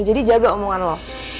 jadi jaga omongan lo